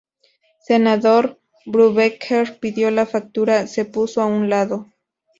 Senador Brubaker pidió la factura se puso a un lado.